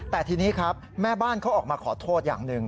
แต่ทีนี้ครับแม่บ้านเขาออกมาขอโทษอย่างหนึ่ง